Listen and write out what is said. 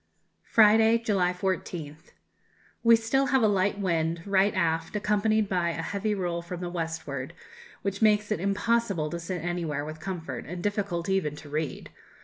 Friday, July 14th. We still have a light wind, right aft, accompanied by a heavy roll from the westward, which makes it impossible to sit anywhere with comfort, and difficult even to read.